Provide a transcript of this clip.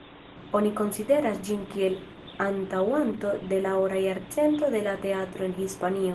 Oni konsideras ĝin kiel antaŭanto de la ora jarcento de la teatro en Hispanio.